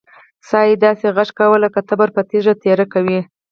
سا يې داسې غژس کوه لک تبر په تيږه تېره کوې.